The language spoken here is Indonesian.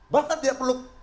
bahkan tidak perlu